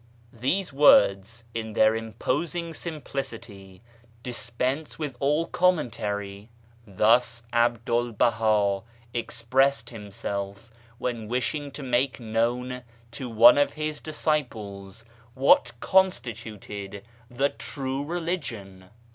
These words in their imposing simplicity dispense with all commentary. Thus 'Abdu'1 Baha expressed himself when wishing to make known to one of his discipleswhat constituted the true religion